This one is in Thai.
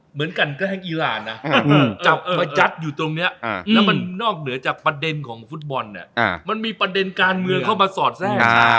เหมือนกันก็แห่งอีรานนะจับมายัดอยู่ตรงนี้แล้วมันนอกเหนือจากประเด็นของฟุตบอลเนี่ยมันมีประเด็นการเมืองเข้ามาสอดแทรก